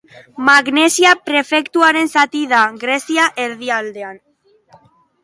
Magnesia prefekturaren zati da, Grezia erdialdean.